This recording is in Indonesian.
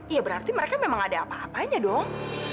ya berarti mereka memang ada apa apanya dong